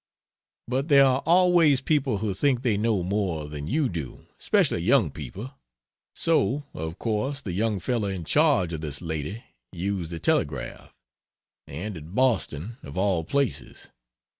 But there are always people who think they know more than you do, especially young people; so of course the young fellow in charge of this lady used the telegraph. And at Boston, of all places!